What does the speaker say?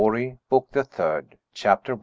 BOOK THE THIRD. CHAPTER I.